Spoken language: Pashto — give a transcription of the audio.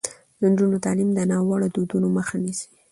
د نجونو تعلیم د ناوړه دودونو مخه نیسي.